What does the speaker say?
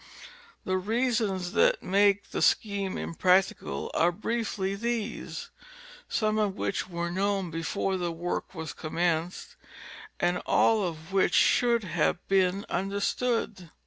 The reasons that make the scheme impracticable are briefly these, some of which were known before the work was commenced, and all of which should have been understood.